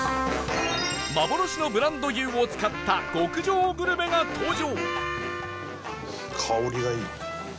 幻のブランド牛を使った極上グルメが登場